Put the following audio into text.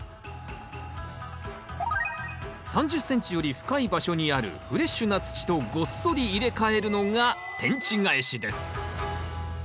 ３０ｃｍより深い場所にあるフレッシュな土とごっそり入れ替えるのが天地返しです